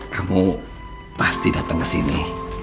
kamu pasti datang kesini